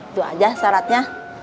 itu aja syaratnya